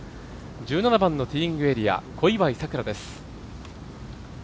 １７番のティーイングエリア小祝さくらです。